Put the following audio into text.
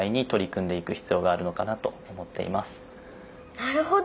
なるほど！